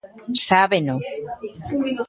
Sábeno.